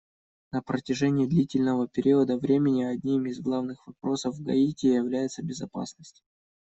На протяжении длительного периода времени одним из главных вопросов в Гаити является безопасность.